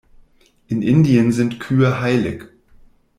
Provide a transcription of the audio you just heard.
In Indien sind Kühe heilig.